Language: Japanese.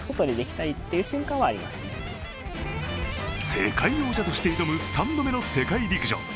世界王者として挑む３度目の世界陸上。